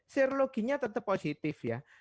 serologinya tetap positif ya